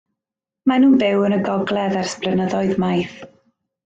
Maen nhw'n byw yn y gogledd ers blynyddoedd maith.